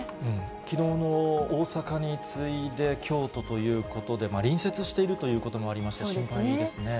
きのうの大阪に次いで、京都ということで隣接しているということもありまして、心配です